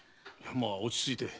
まあ落ち着いて。